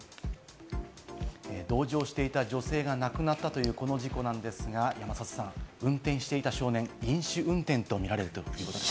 同乗していた女性が亡くなったこの事故ですが、運転していた少年、飲酒運転とみられています。